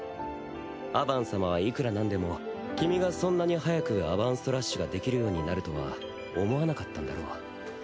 アバン様はいくらなんでも君がそんなに早くアバンストラッシュができるようになるとは思わなかったんだろう。